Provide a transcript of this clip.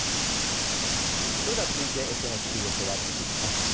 それでは続いてＳＮＳ急上昇ワードにいきます。